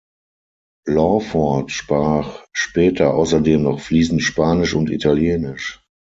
Lawford sprach später außerdem noch fließend Spanisch und Italienisch.